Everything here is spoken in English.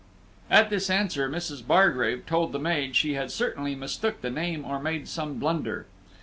At this answer, Mrs. Bargrave told the maid she had certainly mistook the name or made some blunder.